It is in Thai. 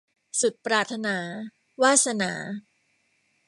สุดปรารถนา - วาสนา